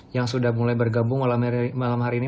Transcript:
yang sudah mulai bergabung malam hari ini